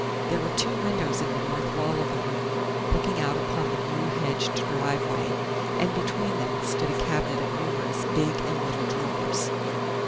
There were two windows in the north wall of the room, looking out upon the yew hedged driveway, and between them stood a cabinet of numerous big and little drawers.